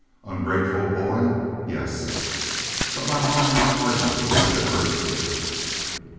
Ungrateful boy? Yes. But my mind is hardened against adversity.